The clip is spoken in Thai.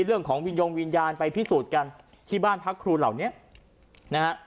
เรื่องของวิญญงวิญญาณไปพิสูจน์กันที่บ้านพักครูเหล่านี้นะฮะ